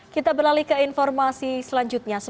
kita beralih ke informasi selanjutnya